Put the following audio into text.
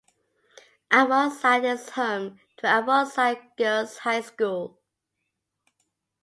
Avonside is home to Avonside Girls' High School.